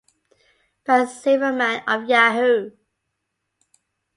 Ben Silverman of Yahoo!